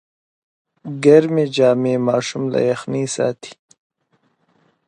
ګرمې جامې ماشوم له یخنۍ ساتي۔